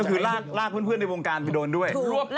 ก็คือลากเพื่อนในวงการไปโดนด้วย